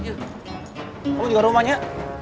kamu jual rumahnya